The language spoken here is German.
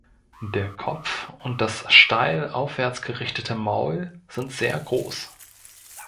Der Kopf und das steil aufwärts gerichtete Maul sind sehr groß.